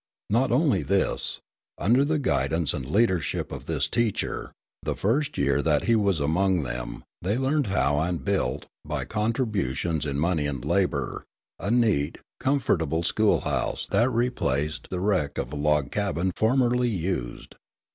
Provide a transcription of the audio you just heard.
Not only this; under the guidance and leadership of this teacher, the first year that he was among them they learned how and built, by contributions in money and labour, a neat, comfortable school house that replaced the wreck of a log cabin formerly used.